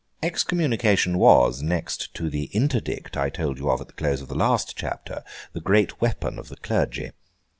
Excommunication was, next to the Interdict I told you of at the close of the last chapter, the great weapon of the clergy.